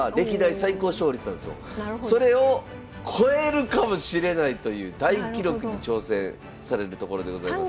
それを超えるかもしれないという大記録に挑戦されるところでございます。